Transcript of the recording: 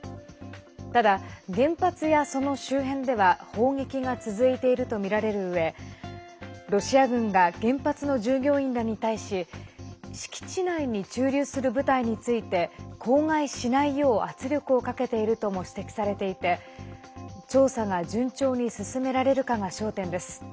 ただ、原発や、その周辺では砲撃が続いているとみられるうえロシア軍が原発の従業員らに対し敷地内に駐留する部隊について口外しないよう圧力をかけているとも指摘されていて調査が順調に進められるかが焦点です。